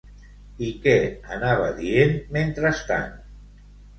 I què anava dient mentrestant?